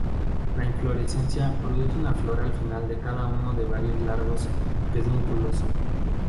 La inflorescencia produce una flor al final de cada uno de varios largos pedúnculos.